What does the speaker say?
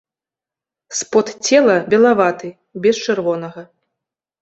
Спод цела белаваты, без чырвонага.